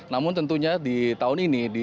namun tentunya di tahun ini